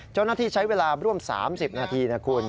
เจ้าหน้าที่ใช้เวลาร่วม๓๐นาทีนะคุณ